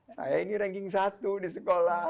saya ini ranking satu di sekolah